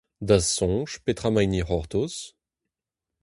Da'z soñj, petra emaint o c'hortoz ?